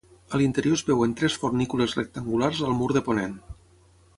A l'interior es veuen tres fornícules rectangulars al mur de ponent.